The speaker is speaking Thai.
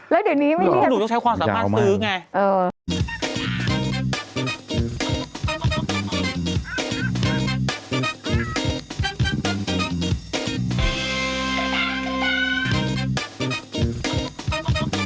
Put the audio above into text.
แล้วเดี๋ยวนี้ไม่เรียกยาวมากคุณแม่ก็ต้องใช้ความสามารถซื้อไงเออ